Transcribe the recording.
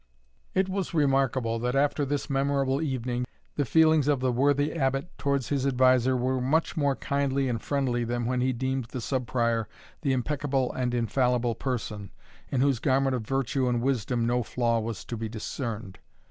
It was remarkable, that after this memorable evening, the feelings of the worthy Abbot towards his adviser were much more kindly and friendly than when he deemed the Sub Prior the impeccable and infallible person, in whose garment of virtue and wisdom no flaw was to be discerned.